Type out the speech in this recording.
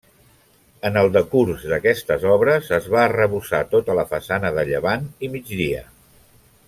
En el decurs d'aquestes obres es va arrebossar tota la façana de llevant i migdia.